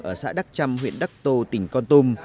ở xã đắc trăm huyện đắc tô tỉnh con tum